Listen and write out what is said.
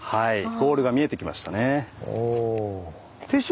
ゴールが見えてきましたね。